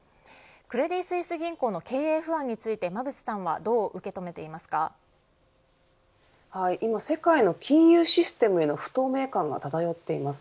クレディ・スイス銀行の経営不安について馬渕さんは今、世界の金融システムへの不透明感が漂っています。